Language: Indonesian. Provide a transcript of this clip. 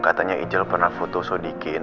katanya ijal pernah foto sodikin